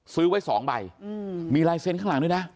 ซื้อไว้๒ใบมีลายเซ็นต์ข้างหลังด้วยนะ